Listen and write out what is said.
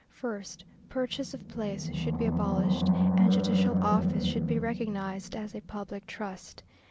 First, purchase of place should be abolished, and judicial office should be recognized as a public trust.